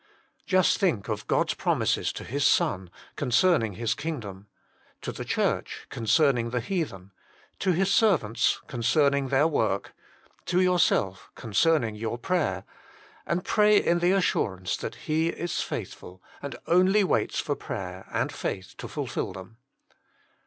Just think of God s promises to His Son, concerning His king dom ; to the Church, concerning the heathen ; to His servants, concerning their work ; to yourself, concerning your prayer ; and pray in the assurance that He is faithful, and only waits for prayer and faith to fulfil them.